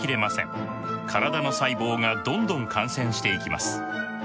体の細胞がどんどん感染していきます。